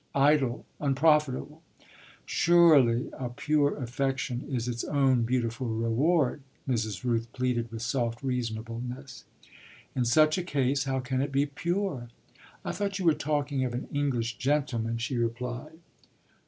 "Idle, unprofitable." "Surely a pure affection is its own beautiful reward," Mrs. Rooth pleaded with soft reasonableness. "In such a case how can it be pure?" "I thought you were talking of an English gentleman," she replied.